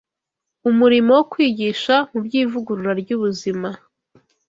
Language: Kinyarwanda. Umurimo wo kwigisha mu by’ivugurura ry’ubuzima